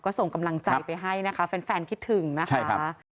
ก็ส่งกำลังใจไปให้นะคะแฟนคิดถึงนะคะ